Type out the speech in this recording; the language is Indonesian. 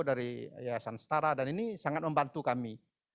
dari yayasan setara dan ini sangat membantu kami